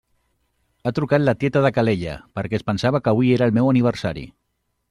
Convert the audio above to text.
Ha trucat la tieta de Calella perquè es pensava que avui era el meu aniversari.